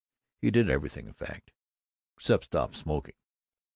He did everything, in fact, except stop smoking.